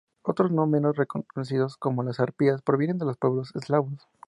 Otros no menos conocidos, como las arpías, provienen de los pueblos eslavos.